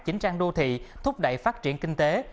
chính trang đô thị thúc đẩy phát triển kinh tế